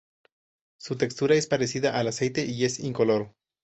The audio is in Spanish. Su textura es parecida al aceite y es incoloro.